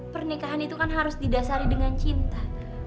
pernikahan itu kan harus didasari dengan cinta